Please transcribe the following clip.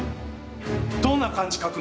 どんな漢字書くの？